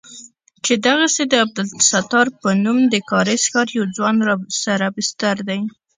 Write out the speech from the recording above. چې دغسې د عبدالستار په نوم د کارېز ښار يو ځوان راسره بستر دى.